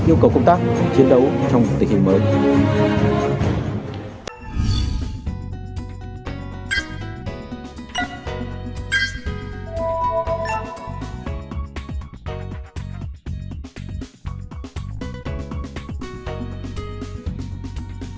yêu cầu công tác chiến đấu trong tình hình mới